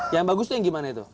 yang bagus tuh yang gimana tuh